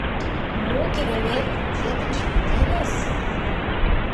Мо керемет, йытынже пытен-ыс...